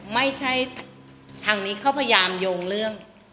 ไม่ใช่ทางนี้เขาพยายามโยงเรื่อง